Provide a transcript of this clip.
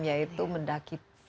ya itu mendaki seven slams